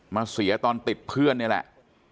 เสียตอนติดเพื่อนนี่แหละ